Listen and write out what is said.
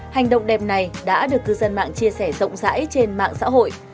hành động đẹp này đã được cư dân mạng chia sẻ rộng rãi trên mạng xã hội